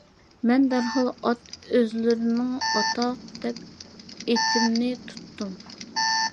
مەن دەرھال «ئات ئۆزلىرىنىڭ ئاتا» دەپ ئېتىمنى تۇتتۇم.